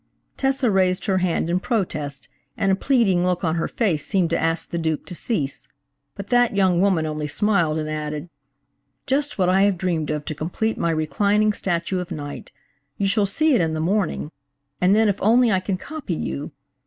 Tessa raised her hand in protest and a pleading look on her face seemed to ask the Duke to cease, but that young woman only smiled and added: "Just what I have dreamed of to complete my reclining statue of Night. You shall see it in the morning, and then if only I can copy you!